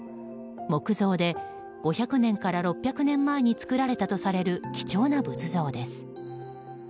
木造で５００年から６００年前に作られたとされる貴重な仏像です。